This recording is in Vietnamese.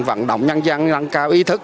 vận động nhân dân nâng cao ý thức